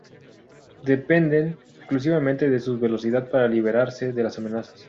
Dependen exclusivamente de su velocidad para librarse de las amenazas.